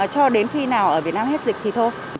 cho đến khi nào ở việt nam hết dịch thì thôi